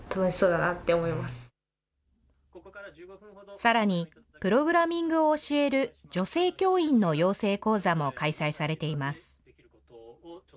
さらにプログラミングを教える女性教員の養成講座も開催されています。